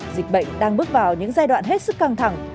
dịch bệnh đang bước vào những giai đoạn hết sức căng thẳng